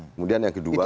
kemudian yang kedua